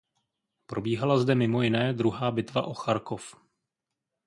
Probíhala zde mimo jiné druhá bitva o Charkov.